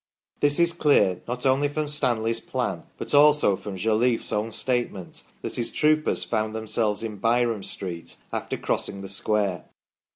This is clear, not only from Stanley's plan, but also from Jolliffe's own statement that his troopers found themselves in Byrom Street after, crossing the square.